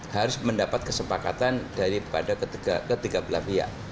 harus mendapat kesepakatan daripada ketiga belah pihak